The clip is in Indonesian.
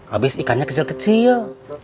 abis ikannya kecil kecil